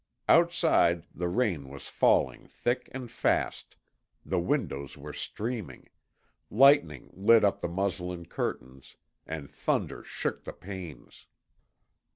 Outside, the rain was falling thick and fast, the windows were streaming, lightning lit up the muslin curtains, and thunder shook the panes.